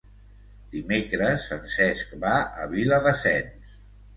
Dimecres en Cesc va a Viladasens.